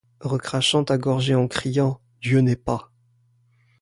Recrachant ta gorgée et criant : Dieu n’est pas !